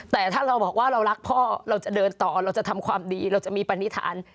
แต่ถ้าเราบอกว่าเรารักพ่อเราจะเดินต่อเราจะทำความดีเราจะมีปณิธาน